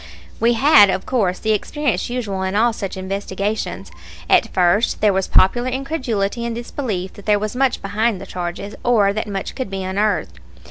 We had, of course, the experience usual in all such investigations. At first there was popular incredulity and disbelief that there was much behind the charges, or that much could be unearthed.